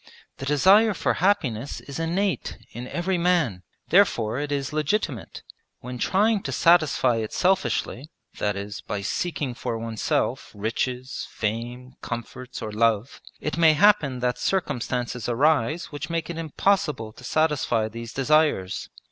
The desire for happiness is innate in every man; therefore it is legitimate. When trying to satisfy it selfishly that is, by seeking for oneself riches, fame, comforts, or love it may happen that circumstances arise which make it impossible to satisfy these desires.